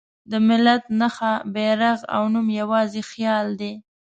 د ملت نښه، بیرغ او نوم یواځې خیال دی.